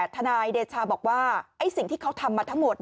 ทนายเดชาบอกว่าสิ่งที่เขาทำมาทั้งหมด